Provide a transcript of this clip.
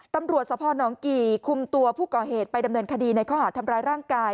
ตำรวจสพนกี่คุมตัวผู้ก่อเหตุไปดำเนินคดีในข้อหาดทำร้ายร่างกาย